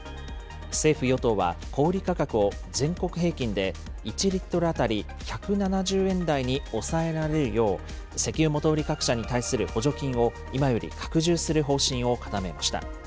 政府・与党は小売り価格を全国平均で１リットル当たり１７０円台に抑えられるよう、石油元売り各社に対する補助金を今より拡充する方針を固めました。